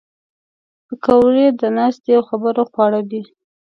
پکورې د ناستې او خبرو خواړه دي